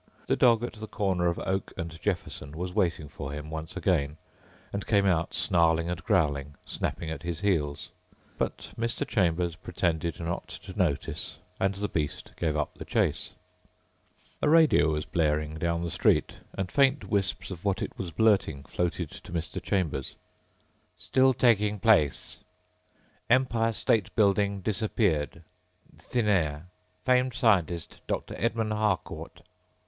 The dog at the corner of Oak and Jefferson was waiting for him once again and came out snarling and growling, snapping at his heels. But Mr. Chambers pretended not to notice and the beast gave up the chase. A radio was blaring down the street and faint wisps of what it was blurting floated to Mr. Chambers. "... still taking place ... Empire State building disappeared ... thin air ... famed scientist, Dr. Edmund Harcourt...."